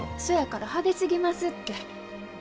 そやから派手すぎますって。